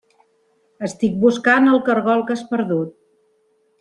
Estic buscant el caragol que has perdut.